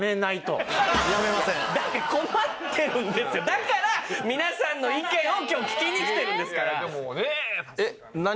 だから皆さんの意見を今日聞きに来てるんですから。